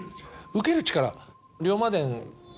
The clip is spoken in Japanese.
受ける力。